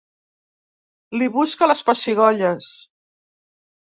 Li busca les pessigolles.